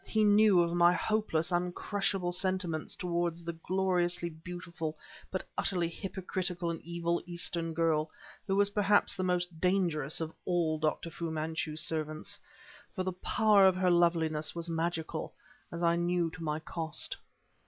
He knew of my hopeless, uncrushable sentiments toward the gloriously beautiful but utterly hypocritical and evil Eastern girl who was perhaps the most dangerous of all Dr. Fu Manchu's servants; for the power of her loveliness was magical, as I knew to my cost.